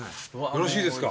よろしいですか？